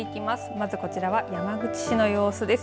まずこちらは山口市の様子です。